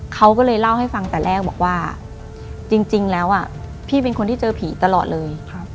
เขาก็เลยเล่าให้ฟังแต่แรกบอกว่าจริงแล้วพี่เป็นคนที่เจอผีตลอดเลย